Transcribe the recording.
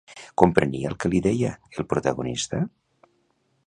Comprenia el que li deia, el protagonista?